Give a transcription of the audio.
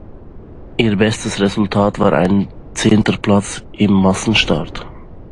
Ihr bestes Resultat war ein zehnter Platz im Massenstart.